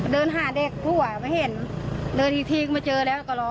เดินหาเด็กกลัวไม่เห็นเดินอีกทีก็มาเจอแล้วก็รอ